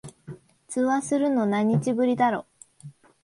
通話するの、何日ぶりだろ。